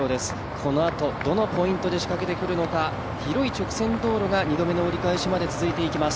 このあと、どのポイントでしかけてくるか広い直線道路が２度目の折り返しまで続いていきます。